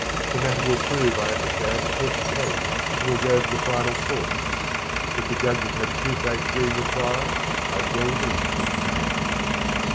The matter will prove, I understand, a test case and will go to the final courts. If the judges have toothache during the trial, I shall win.